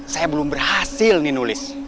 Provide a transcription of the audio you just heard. saya belum berhasil nih nulis